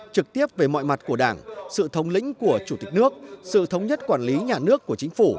trực tiếp về mọi mặt của đảng sự thống lĩnh của chủ tịch nước sự thống nhất quản lý nhà nước của chính phủ